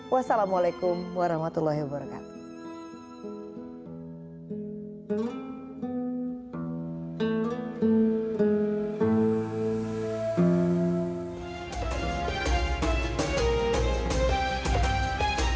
wassalamualaikum warahmatullahi wabarakatuh